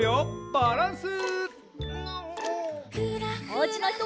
バランス！